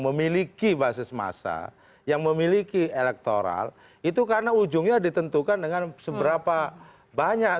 memiliki basis massa yang memiliki elektoral itu karena ujungnya ditentukan dengan seberapa banyak